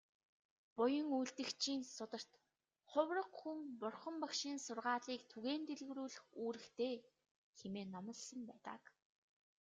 Буян үйлдэгчийн сударт "Хувраг хүн Бурхан багшийн сургаалыг түгээн дэлгэрүүлэх үүрэгтэй" хэмээн номлосон байдаг.